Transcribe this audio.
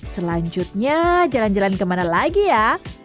selanjutnya jalan jalan kemana lagi ya